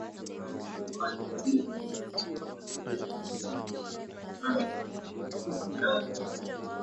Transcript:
Awali waziri wa mambo ya nje wa Iraq, alisema kuwa duru ya tano ya mazungumzo kati ya